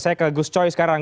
saya ke gus coy sekarang